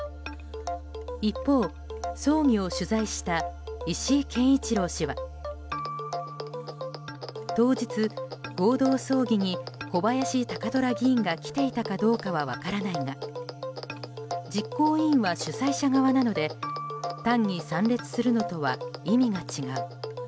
一方、葬儀を取材した石井謙一郎氏は当日、合同葬儀に小林貴虎議員が来ていたかどうかは分からないが実行委員は主催者側なのでたんに参列するのとは意味が違う。